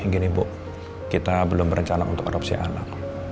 gini bu kita belum berencana untuk otopsi anak